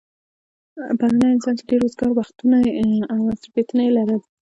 پرونی انسان چې ډېر وزگار وختونه او مصروفيتونه يې لرل